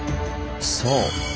そう！